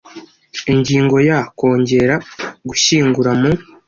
ingingo ya kongera gushyingura mu